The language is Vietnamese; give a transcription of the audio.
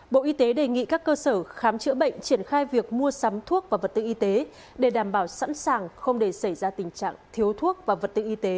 bộ y tế đề nghị các cơ sở khám chữa bệnh triển khai việc mua sắm thuốc và vật tư y tế để đảm bảo sẵn sàng không để xảy ra tình trạng thiếu thuốc và vật tư y tế